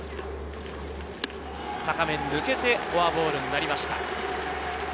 高め抜けて、フォアボールになりました。